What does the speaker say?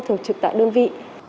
thường trực tại đơn vị